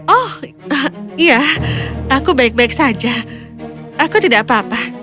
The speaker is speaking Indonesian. oh iya aku baik baik saja aku tidak apa apa